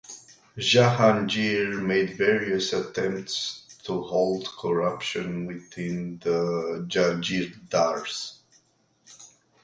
Jahangir made various attempts to halt corruption within the jagirdars.